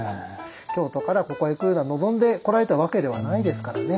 京都からここへ来るのは望んで来られたわけではないですからね。